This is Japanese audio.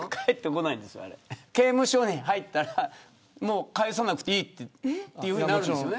刑務所に入ったら返さなくていいというふうになるんですよね。